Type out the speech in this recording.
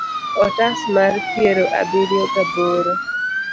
otas mar piero abiriyo ga boro